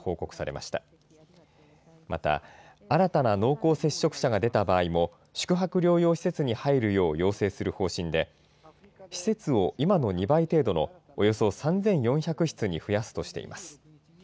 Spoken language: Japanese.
また、新たな濃厚接触者が出た場合も、宿泊療養施設に入るよう要請する方針で、施設を今の２倍程度のおよそ３４００室に増やすとしています。